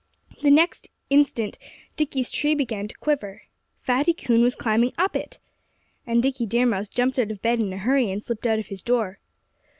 The next instant Dickie's tree began to quiver. Fatty Coon was climbing up it! And Dickie Deer Mouse jumped out of bed in a hurry and slipped out of his door.